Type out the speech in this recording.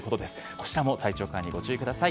こちらも体調管理ご注意ください。